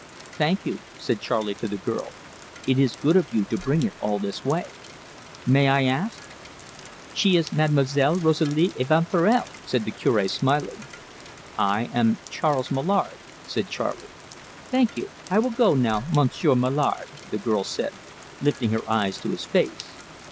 "Thank you," said Charley to the girl. "It is good of you to bring it all this way. May I ask " "She is Mademoiselle Rosalie Evanturel," said the Cure smiling. "I am Charles Mallard," said Charley slowly. "Thank you. I will go now, Monsieur Mallard," the girl said, lifting her eyes to his face.